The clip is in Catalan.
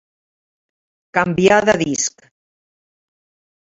Canviar de disc.